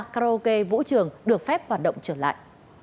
karaoke vũ trường được phép hoạt động trở lại